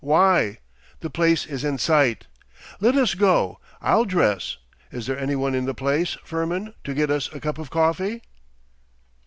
Why! the place is in sight! Let us go. I'll dress. Is there any one in the place, Firmin, to get us a cup of coffee?